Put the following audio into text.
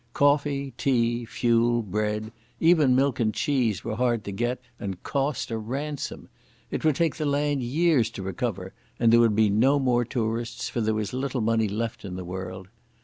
Coffee, tea, fuel, bread, even milk and cheese were hard to get and cost a ransom. It would take the land years to recover, and there would be no more tourists, for there was little money left in the world.